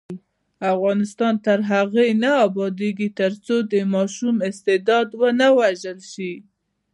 افغانستان تر هغو نه ابادیږي، ترڅو د ماشوم استعداد ونه وژل شي.